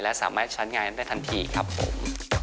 และสามารถใช้งานได้ทันทีครับผม